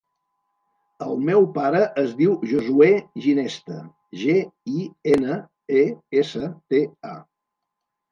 El meu pare es diu Josuè Ginesta: ge, i, ena, e, essa, te, a.